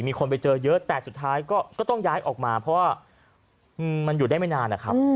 มีคนไปเจอเยอะแต่สุดท้ายก็ต้องย้ายออกมาเพราะว่ามันอยู่ได้ไม่นานนะครับ